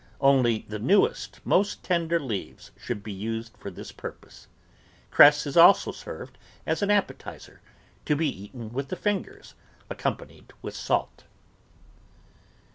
Only the newest, most ten der leaves should be used for this purpose. Cress is also served as an appetiser, to be eaten with the fingers, accompanied with salt.